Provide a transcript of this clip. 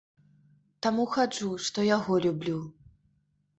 Таму хаджу, што яго люблю.